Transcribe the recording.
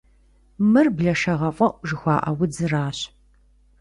Мыр блэшэгъэфӏэӏу жыхуаӏэ удзращ.